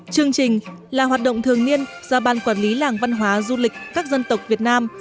chương trình là hoạt động thường niên do ban quản lý làng văn hóa du lịch các dân tộc việt nam